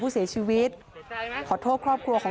พระคุณที่อยู่ในห้องการรับผู้หญิง